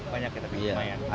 banyak ya tapi lumayan